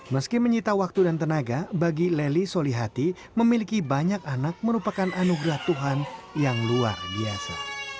meski menyita waktu dan tenaga bagi leli solihati memiliki banyak anak merupakan anugerah tuhan yang luar biasa